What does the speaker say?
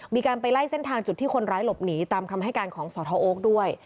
มีการไปไล่เส้นทางจุดที่คนร้ายหลบหนีตามคำให้การของสทโอ๊คด้วย